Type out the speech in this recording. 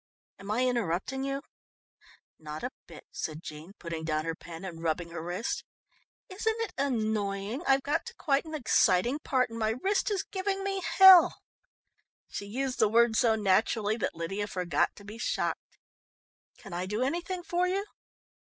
"Am I interrupting you?" "Not a bit," said Jean, putting down her pen and rubbing her wrist. "Isn't it annoying. I've got to quite an exciting part, and my wrist is giving me hell." She used the word so naturally that Lydia forgot to be shocked. "Can I do anything for you?"